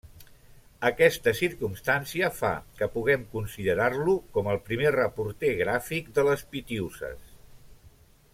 Aquesta circumstància fa que puguem considerar-lo com el primer reporter gràfic de les Pitiüses.